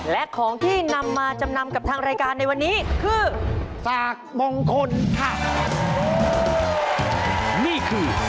และของที่นำมาจำนำกับทางรายการในวันนี้คือฝากมงคลค่ะ